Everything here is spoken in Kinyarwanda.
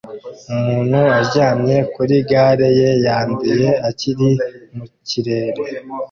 Umuntu aryamye kuri gare ye yanduye akiri mu kirere